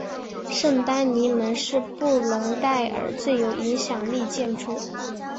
圣丹尼门是布隆代尔最有影响力建筑。